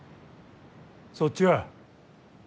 そっちは。